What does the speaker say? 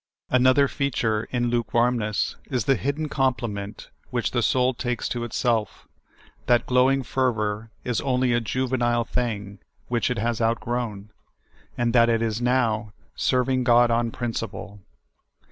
Another feature in lukewarmness is the hidden compliment which the soul takes to itself, that glowing fervor is onl}^ a juvenile thing which it has outgrown, and that it is now "serving God on principle."